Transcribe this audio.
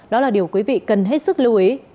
đó là điều quý vị cần hết sức lưu ý